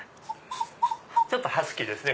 ちょっとハスキーですね